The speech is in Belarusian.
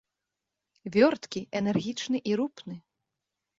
Вёрткі, энергічны і рупны.